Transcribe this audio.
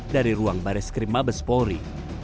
dari ruang baris krim mabes polri